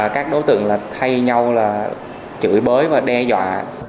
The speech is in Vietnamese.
các đối tượng là thay nhau là chửi bới và đe dọa